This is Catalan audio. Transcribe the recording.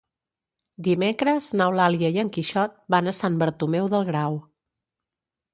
Dimecres n'Eulàlia i en Quixot van a Sant Bartomeu del Grau.